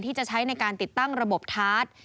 ที่จะใช้ในการติดตั้งระบบทาร์ด